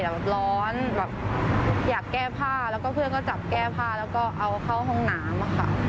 แบบร้อนแบบอยากแก้ผ้าแล้วก็เพื่อนก็จับแก้ผ้าแล้วก็เอาเข้าห้องน้ำค่ะ